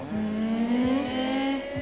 へえ。